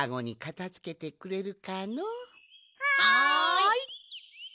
はい。